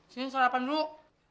sini sarapan dulu